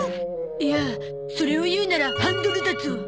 いやそれを言うなら「ハンドル」だゾ。